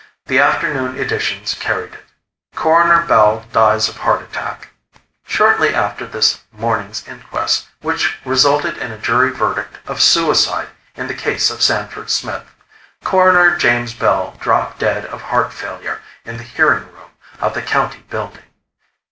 The afternoon editions carried it: CORONER BELL DIES OF HEART ATTACK Shortly after this morning's inquest, which resulted in a jury verdict of suicide in the case of Sanford Smith, Coroner James Bell dropped dead of heart failure in the hearing room of the County building.